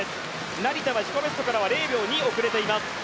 成田は自己ベストからは０秒２遅れています。